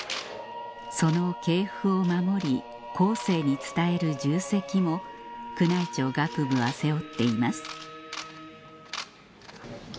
その系譜を守り後世に伝える重責も宮内庁楽部は背負っています